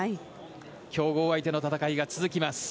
強豪相手の戦いが続きます。